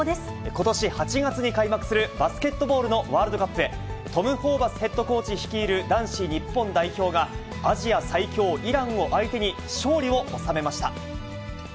ことし８月に開幕する、バスケットボールのワールドカップへ、トム・ホーバスヘッドコーチ率いる男子日本代表が、アジア最強、イランを相手に勝利を収めました。